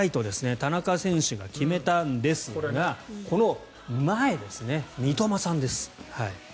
田中選手が決めたんですがこの前ですね、三笘さんです。